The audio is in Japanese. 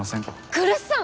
来栖さん！